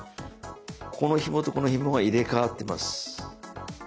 このひもとこのひもが入れ代わってます。